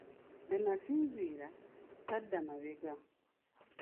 Bwe nasinziira, sadda mabega.